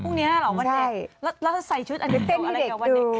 พรุ่งนี้หรอวันเด็ก